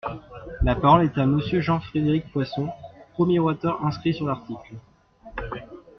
La parole est à Monsieur Jean-Frédéric Poisson, premier orateur inscrit sur l’article.